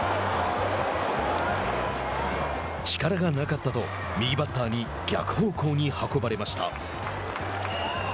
力がなかったと、右バッターに逆方向に運ばれました。